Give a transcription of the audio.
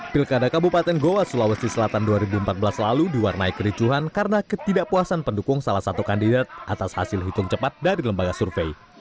pilkada kabupaten goa sulawesi selatan dua ribu empat belas lalu diwarnai kericuhan karena ketidakpuasan pendukung salah satu kandidat atas hasil hitung cepat dari lembaga survei